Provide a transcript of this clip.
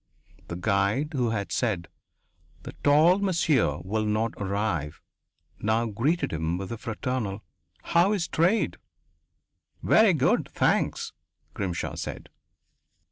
The guide who had said "The tall monsieur will not arrive" now greeted him with a fraternal: "How is trade?" "Very good, thanks," Grimshaw said.